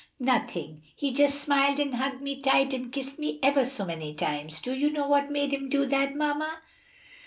"Nothing; he just smiled and hugged me tight and kissed me ever so many times. Do you know what made him do that, mamma?"